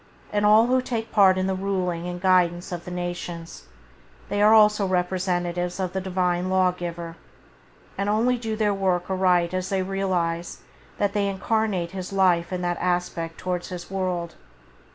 And all who take part in the ruling and guidance of the nations, they also are representatives of the Divine Lawgiver, and only do their work aright as they realize that they incarnate His life in that aspect towards His world.